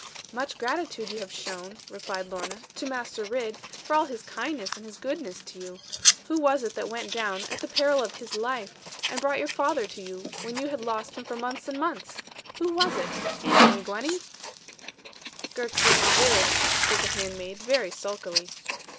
'Much gratitude you have shown,' replied Lorna, 'to Master Ridd, for all his kindness and his goodness to you. Who was it that went down, at the peril of his life, and brought your father to you, when you had lost him for months and months? Who was it? Answer me, Gwenny?' 'Girt Jan Ridd,' said the handmaid, very sulkily.